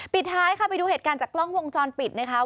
ปิดท้ายค่ะไปดูเหตุการณ์จากกล้องวงจรปิดนะคะ